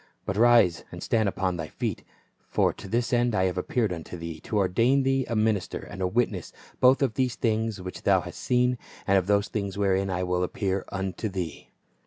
But rise and stand upon thy feet ; for to this end I have appeared unto thee, to ordain thee a minister and a witness both of these things which thou hast seen, and of those things wherein I shall appear unto thee.